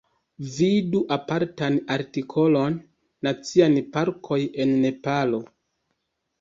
Vidu apartan artikolon "Naciaj parkoj en Nepalo".